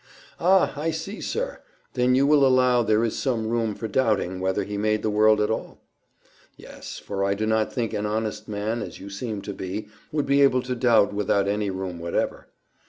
"Ah! I see, sir. Then you will allow there is some room for doubting whether He made the world at all?" "Yes; for I do not think an honest man, as you seem to me to be, would be able to doubt without any room whatever.